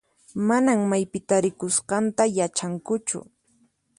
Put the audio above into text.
Manan maypi tarikusqanta yachankuchu.